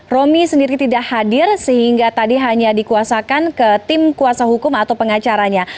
romi sendiri tidak hadir sehingga tadi hanya dikuasakan ke tim kuasa hukum atau pengacaranya